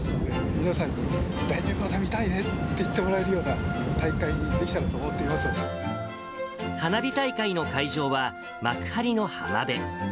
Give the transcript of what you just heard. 皆さんに、来年また見たいねって言ってもらえるような大会にできたらと思っ花火大会の会場は、幕張の浜辺。